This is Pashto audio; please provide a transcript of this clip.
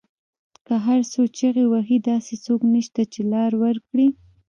که هر څو چیغې وهي داسې څوک نشته، چې لار ورکړی